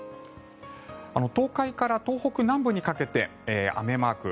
東海から東北南部にかけて雨マーク。